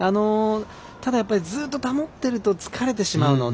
ただ、ずっと保っていると疲れてしまうので。